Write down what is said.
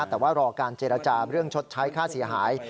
แต่ว่ารอการเจรจาเรื่องชดใช้ค่าเสียหาย